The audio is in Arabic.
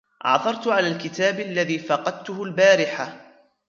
عثرت على الكتاب الذي فقدته البارحة.